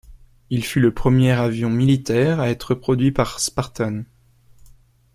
Il fut le premier avion militaire à être produit par Spartan.